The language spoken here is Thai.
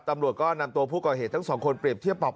ตำรวจก็นำตัวผู้ก่อเหตุทั้งสองคนเปรียบเทียบปรับ